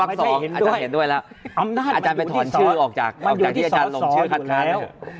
อาจารย์เห็นด้วยแล้วอาจารย์ไปถอนชื่อออกจากที่อาจารย์ลงชื่อคันนั้น